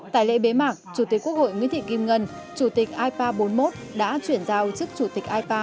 tại lễ bế mạc chủ tịch quốc hội nguyễn thị kim ngân chủ tịch ipa bốn mươi một đã chuyển giao chức chủ tịch ipa